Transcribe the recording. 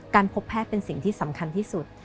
พบแพทย์เป็นสิ่งที่สำคัญที่สุด